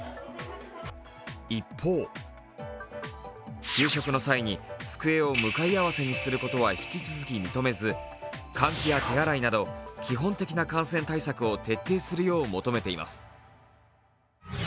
一方、給食の際に机を向かい合わせにすることは引き続き認めず、換気や手洗いなど基本的な感染対策を徹底するよう求めています。